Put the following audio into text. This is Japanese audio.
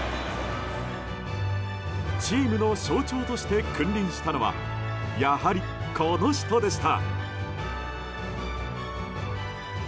チームの象徴として君臨したのはやはり、この人でした。